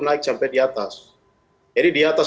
naik sampai di atas jadi di atas